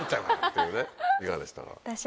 いかがでしたか？